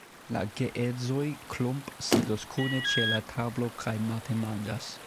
La geedzoj Klomp sidas kune ĉe la tablo kaj matenmanĝas.